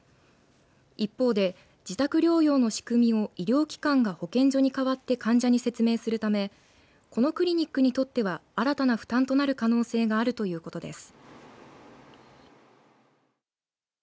一方で自宅療養の仕組みを医療機関が保健所に代わって患者に説明するためこのクリニックにとっては新たな負担となる可能性があるということです。